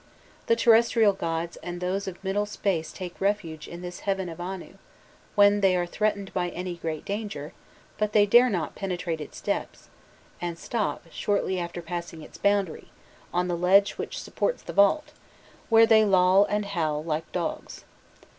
The terrestrial gods and those of middle space take refuge in this "heaven of Anu," when they are threatened by any great danger, but they dare not penetrate its depths, and stop, shortly after passing its boundary, on the ledge which supports the vault, where they loll and howl like dogs.